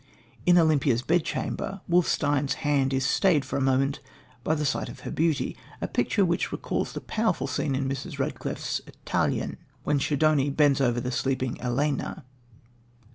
In Olympia's bedchamber Wolfstein's hand is stayed for a moment by the sight of her beauty a picture which recalls the powerful scene in Mrs. Radcliffe's Italian, when Schedoni bends over the sleeping Ellena.